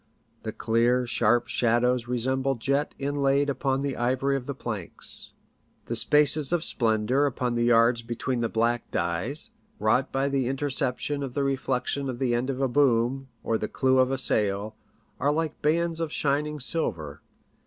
The clear, sharp shadows resemble jet inlaid upon the ivory of the planks. The spaces of splendour upon the yards between the black dyes, wrought by the interception of the reflection of the end of a boom, or the clew of a sail, are like bands of shining silver.